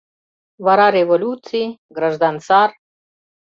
Вара революций, граждан сар.